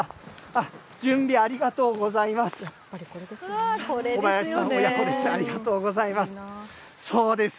ありがとうございます。